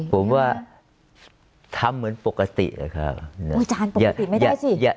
ผมว่าทำเหมือนปกติอะครับอาจารย์ปกติไม่ได้สิ